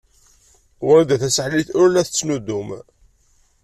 Wrida Tasaḥlit ur la tettnuddum.